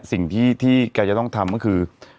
สิ่งที่แกจะต้องทำก็คือ